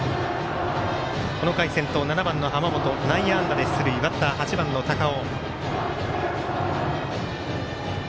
この回先頭、７番の濱本内野安打で出塁バッター、８番の高尾。